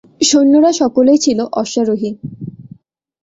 সৈন্যরা সকলেই ছিল অশ্বারোহী।